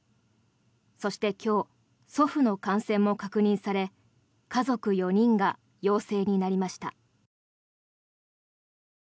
そして今日祖父の感染も確認され家族４人が陽性になりました。